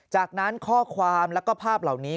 จากนั้นข้อความแล้วก็ภาพเหล่านี้